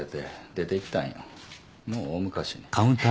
もう大昔に。